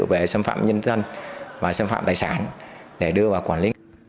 về xâm phạm nhân dân và xâm phạm tài sản để đưa vào quản lý